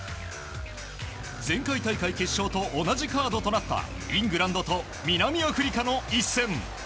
前回大会決勝と同じカードとなったイングランドと南アフリカの一戦。